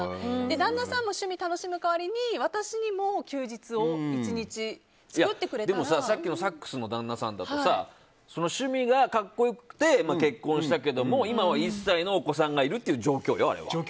旦那さんも趣味を楽しむ代わりに私にも休日をさっきのサックスの旦那さんだとさ趣味が格好良くて結婚したけども今は１歳のお子さんがいるという状況よ。